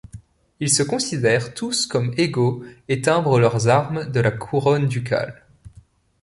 Ils se considèrent tous comme égaux et timbrent leurs armes de la couronne ducale.